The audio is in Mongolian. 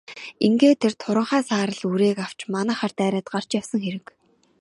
Ингээд тэр туранхай саарал үрээг авч манайхаар дайраад гарч явсан хэрэг.